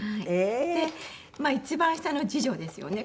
まあ一番下の次女ですよね。